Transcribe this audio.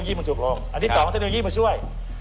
ไม่เคยนั่งเลย